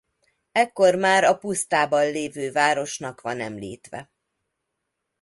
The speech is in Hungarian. Ekkor már a pusztában lévő városnak van említve.